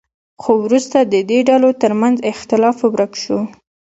خو وروسته د دې ډلو ترمنځ اختلاف ورک شو.